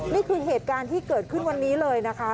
นี่คือเหตุการณ์ที่เกิดขึ้นวันนี้เลยนะคะ